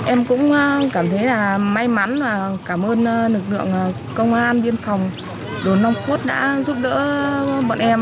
em cũng cảm thấy là may mắn và cảm ơn lực lượng công an biên phòng đồn long khuất đã giúp đỡ bọn em